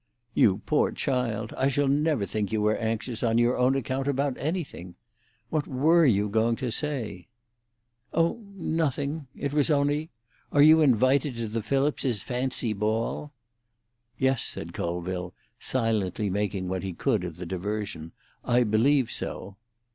"You poor child, I shall never think you are anxious on your own account about anything. What were you going to say?" "Oh, nothing! It was only—are you invited to the Phillipses' fancy ball?" "Yes," said Colville, silently making what he could of the diversion, "I believe so."